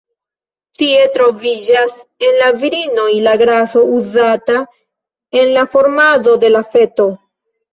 Tie troviĝas, en la virinoj, la graso uzata en la formado de la feto.